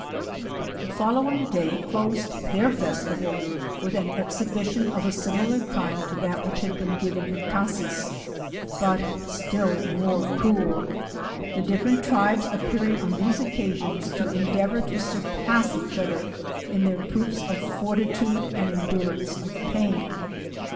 The following day closed their festival with an exhibition of asimilar'*kind, to that which had been given at Tashees, but still more cruel; the diffe rent tribes appearing on these occasions to endea vour to surpass each other in their proofs of forti tude and endurance of pain.